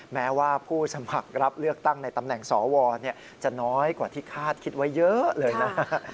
แม้ว่าผู้สมัครรับเลือกตั้งในตำแหน่งสวจะน้อยกว่าที่คาดคิดไว้เยอะเลยนะ